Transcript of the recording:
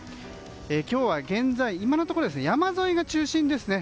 今日は今のところ山沿いが中心ですね。